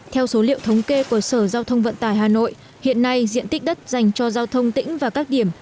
theo số liệu thống kê của sở giao thông vận tải hà nội hiện nay diện tích đất dành cho giao thông tỉnh và các điểm